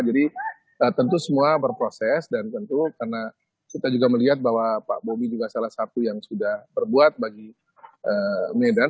jadi tentu semua berproses dan tentu karena kita juga melihat bahwa pak bobi juga salah satu yang sudah berbuat bagi medan